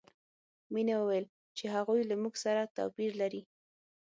مینې وویل چې هغوی له موږ سره توپیر لري